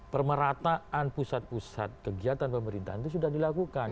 pemerataan pusat pusat kegiatan pemerintahan itu sudah dilakukan